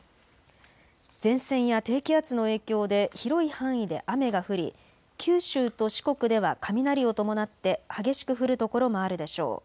前線や低気圧の影響で広い範囲で雨が降り、九州と四国では雷を伴って激しく降る所もあるでしょう。